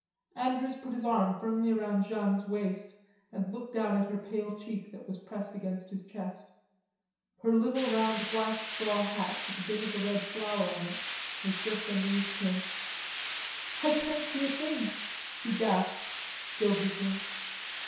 Andrews put his arm firmly round Jeanne's waist and looked down at her pale cheek that was pressed against his chest. Her little round black straw hat with a bit of a red flower on it was just under his chin. "I can't see a thing," she gasped, still giggling.